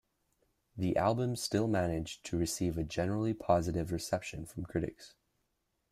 The album still managed to receive a generally positive reception from critics.